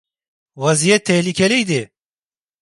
Vaziyet tehlikeliydi.